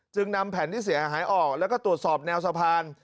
นำแผ่นที่เสียหายออกแล้วก็ตรวจสอบแนวสะพาน